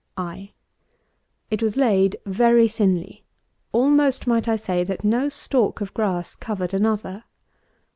I. It was laid very thinly; almost might I say, that no stalk of grass covered another.